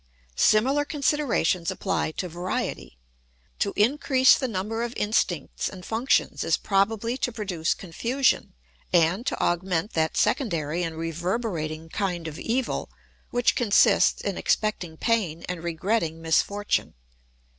] Similar considerations apply to variety. To increase the number of instincts and functions is probably to produce confusion and to augment that secondary and reverberating kind of evil which consists in expecting pain and regretting misfortune.